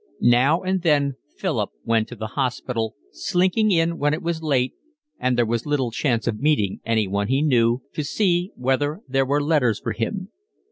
Now and then Philip went to the hospital, slinking in when it was late and there was little chance of meeting anyone he knew, to see whether there were letters for him.